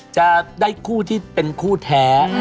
จะได้คู่ที่เป็นคู่แท้